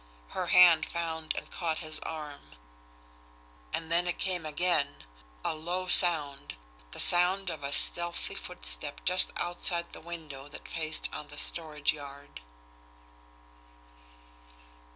Her hand found and caught his arm. And then it came again a low sound, the sound of a stealthy footstep just outside the window that faced on the storage yard.